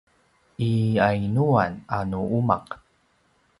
i yainuan a nu umaq?